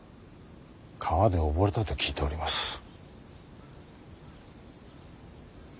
川で溺れたと聞いております。